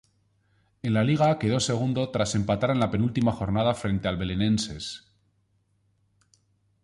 En la liga quedó segundo tras empatar en la penúltima jornada frente al Belenenses.